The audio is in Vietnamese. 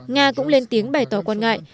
nga cũng lên tiếng bày tỏ quan ngại